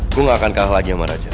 aku enggak akan kalah lagi sama raja